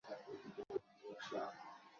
আমাকে একটা রাস্তা বল।